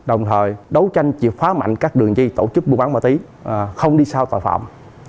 đồng thời đấu tranh triệt phá mạnh các đường dây tổ chức buôn bán ma túy không đi sau tội phạm